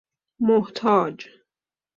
محتاج